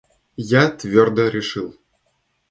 Я твердо решил.